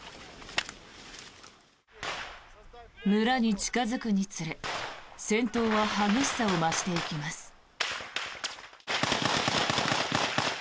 村に近付くにつれ戦闘は激しさを増していきます。